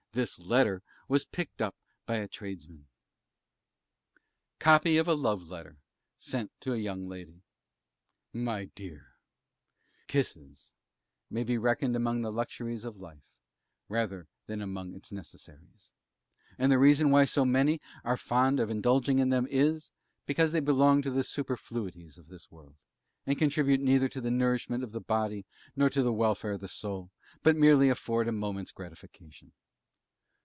This Letter was picked up by a Tradesman. Copy of a Love Letter sent to a Young Lady: My Dear, Kisses may be reckoned among the luxuries of life, rather than among its necessaries; and the reason why so many are fond of indulging in them is, because they belong to the superfluities of this world, and contribute neither to the nourishment of the body nor to the welfare of the soul, but merely afford a moment's gratification.